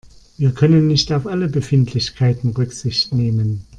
Wir können nicht auf alle Befindlichkeiten Rücksicht nehmen.